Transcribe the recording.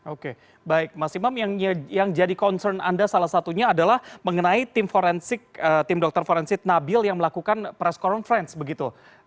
oke baik mas imam yang jadi concern anda salah satunya adalah mengenai tim forensik tim dokter forensik nabil yang melakukan press conference begitu